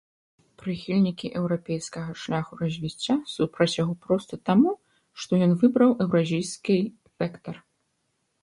Прыхільнікі еўрапейскага шляху развіцця супраць яго проста таму, што ён выбраў еўразійскі вектар.